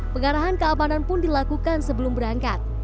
pengarahan keamanan pun dilakukan sebelum berangkat